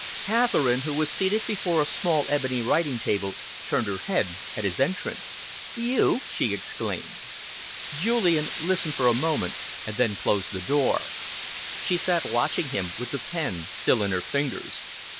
Catherine, who was seated before a small, ebony writing table, turned her head at his entrance. "You?" she exclaimed. Julian listened for a moment and then closed the door. She sat watching him, with the pen still in her fingers.